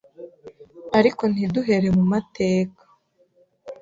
Ariko ntiduhere mu mateka.